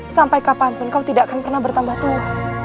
sampai kapanpun kau tidak akan pernah bertambah tua